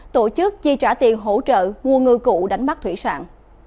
tổ chức chi trả tiền hỗ trợ mua ngư cụ đánh bắt thủy sản